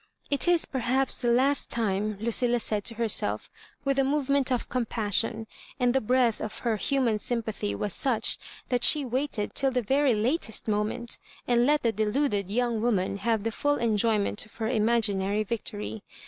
"It is prhaps the last time," Lucilla said to her self with a movement of compassion; and the breadth of her human sympathy was such thai she waited till the very latest moment, and let the deluded young woman have the full enjoy ment of her imaginary victory.